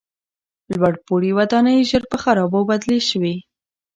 لوړپوړي ودانۍ ژر په خرابو بدلې شوې.